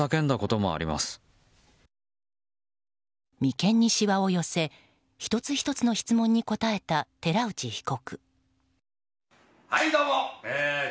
眉間にしわを寄せ１つ１つの質問に答えた寺内被告。